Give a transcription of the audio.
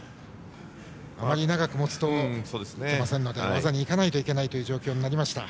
あまり長く持つといけませんので技にいかないといけない状況になりました。